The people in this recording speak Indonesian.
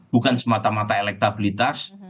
bukan semata mata elektabilitas